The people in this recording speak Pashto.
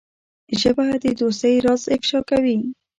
ژبه د دوستۍ راز افشا کوي